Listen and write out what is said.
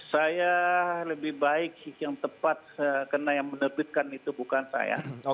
saya lebih baik yang tepat karena yang menerbitkan itu bukan saya